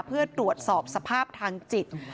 เพื่อตรวจสอบสภาพทางจิต